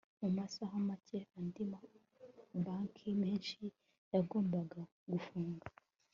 mu masaha make, andi mabanki menshi yagombaga gufunga